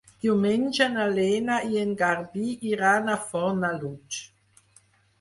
Diumenge na Lena i en Garbí iran a Fornalutx.